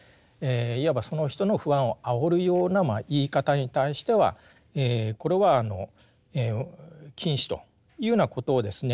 いわばその人の不安をあおるような言い方に対してはこれは禁止というようなことをですね